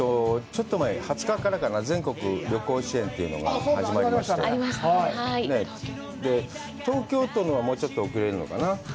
ちょっと前、２０日からかな、全国旅行支援というのが始まりまして、東京都はもうちょっと遅れるのかな？